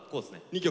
２曲。